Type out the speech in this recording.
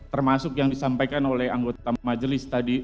termasuk yang disampaikan oleh anggota majelis tadi